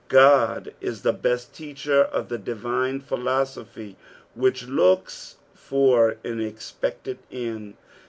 QoA is the best teacher of the dirine philosophy which looks for an eipected end.